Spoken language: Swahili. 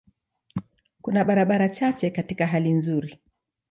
Kuna barabara chache katika hali nzuri.